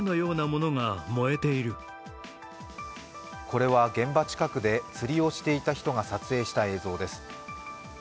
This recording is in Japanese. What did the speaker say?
これは、現場近くで釣りをしていた人が撮影した映像です。